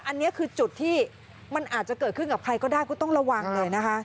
อันนี้คือจุดที่มันอาจจะเกิดขึ้นกับใครก็ได้ก็ต้องระวังเลยนะคะ